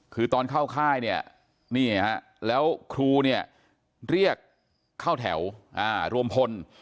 คือตอนเข้าค่ายเนี่ยนี่ฮะแล้วครูเนี่ยเรียกเข้าแถวรวมพล